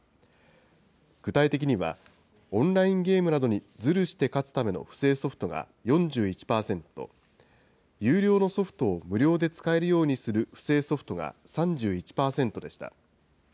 具体的には、オンラインゲームなどにずるして勝つための不正ソフトが４１％、有料のソフトを無料で使えるようにする不正ソフトが３１％でした。